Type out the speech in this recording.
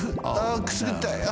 あくすぐったい。